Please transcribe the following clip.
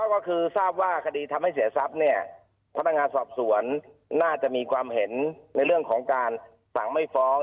ก็คือทราบว่าคดีทำให้เสียทรัพย์เนี่ยพนักงานสอบสวนน่าจะมีความเห็นในเรื่องของการสั่งไม่ฟ้อง